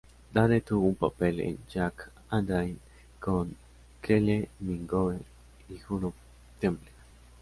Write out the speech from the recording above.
Dane tuvo un papel en "Jack and Diane" con Kylie Minogue y Juno Temple.